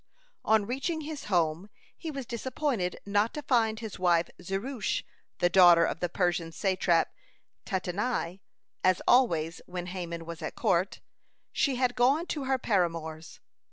On reaching his home he was disappointed not to find his wife Zeresh, the daughter of the Persian satrap Tattenai. As always when Haman was at court, she had gone to her paramours.